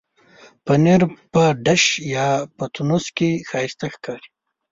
پنېر په ډش یا پتنوس کې ښايسته ښکاري.